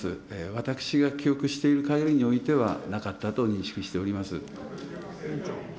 私が記憶しているかぎりにおいては、なかったと認識しております。